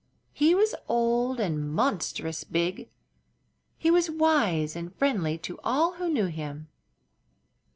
He was old and monstrous big; he was wise and friendly to all who knew him.